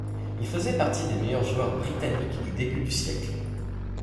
Il faisait partie des meilleurs joueurs britanniques du début du siècle.